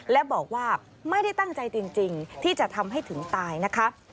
และบอกว่าไม่ได้ตั้งใจจริงที่จะทำให้ถึงตายนะคะ